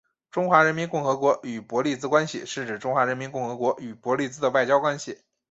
中华人民共和国与伯利兹关系是指中华人民共和国与伯利兹的外交关系。